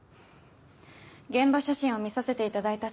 現場写真を見させていただいた